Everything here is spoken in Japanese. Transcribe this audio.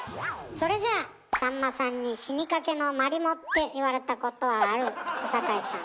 それじゃあさんまさんに「死にかけのマリモ」って言われたことある小堺さん。